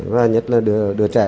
và nhất là đứa trẻ